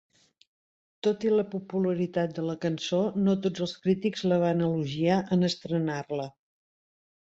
Tot i la popularitat de la cançó, no tots els crítics la van elogiar en estrenar-la.